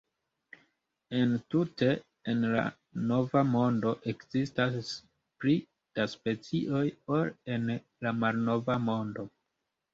Entute en la Nova Mondo ekzistas pli da specioj ol en la Malnova Mondo.